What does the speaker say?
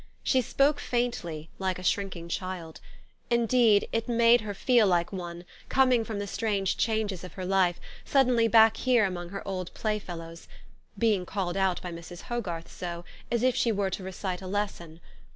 She spoke faintty, like a shrinking child : indeed it made her feel like one, coming, from the strange changes of her life, suddenly back here among her old pla3^fel lows ; being called out by Mrs. Hogarth so, as if she were to recite a lesson.